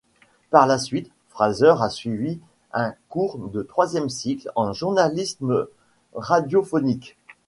Par la suite, Fraser a suivi un cours de troisième cycle en journalisme radiophonique.